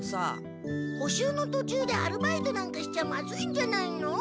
補習のとちゅうでアルバイトなんかしちゃまずいんじゃないの？